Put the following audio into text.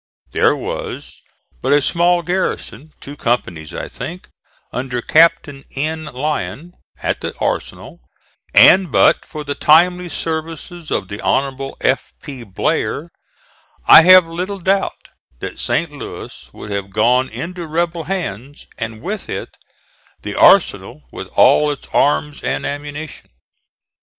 There was but a small garrison, two companies I think, under Captain N. Lyon at the arsenal, and but for the timely services of the Hon. F. P. Blair, I have little doubt that St. Louis would have gone into rebel hands, and with it the arsenal with all its arms and ammunition.